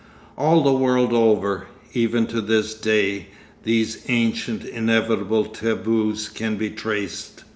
All the world over, even to this day, these ancient inevitable taboos can be traced.)